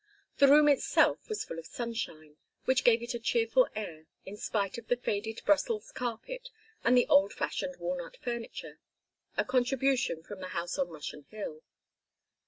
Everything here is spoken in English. The room itself was full of sunshine, which gave it a cheerful air in spite of the faded Brussels carpet and the old fashioned walnut furniture, a contribution from the house on Russian Hill.